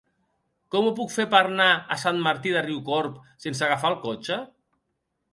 Com ho puc fer per anar a Sant Martí de Riucorb sense agafar el cotxe?